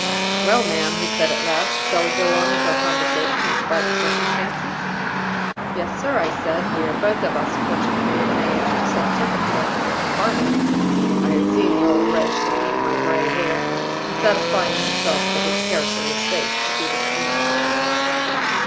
"'Well, ma'am,' he said, at last, 'shall we go on with our conversation in spite of circumstances?' "'Yes, sir,' I said; 'we are both of us, fortunately, of an age to set circumstances at defiance' (I had seen the old wretch looking at my gray hair, and satisfying himself that his character was safe if he was seen with me).